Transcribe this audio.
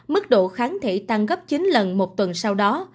mức độ kháng thể tăng gấp chín lần một tuần sau đó